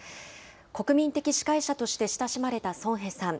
国民的司会者として親しまれたソン・ヘさん。